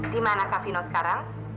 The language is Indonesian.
dimanakah vino sekarang